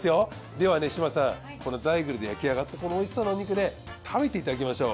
ではね志真さんこのザイグルで焼き上がったこのおいしそうなお肉ね食べていただきましょう。